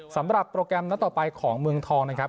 สำหรับโปรแกรมนัดต่อไปของเมืองทองนะครับ